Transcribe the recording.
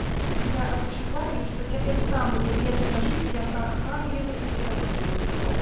Я адчуваю, што цяпер сам буду вечна жыць, як архангелы і серафімы.